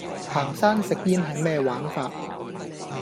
行山食煙係咩玩法?